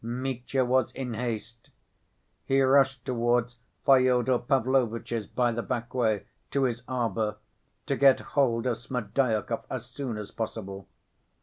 Mitya was in haste; he rushed towards Fyodor Pavlovitch's by the back way, to his arbor, to get hold of Smerdyakov as soon as possible.